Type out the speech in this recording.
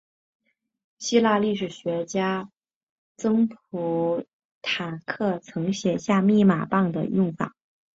希腊历史学家普鲁塔克曾写下密码棒的用法。